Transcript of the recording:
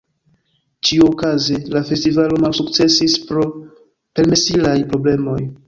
Ĉiuokaze la festivalo malsukcesis pro permesilaj problemoj.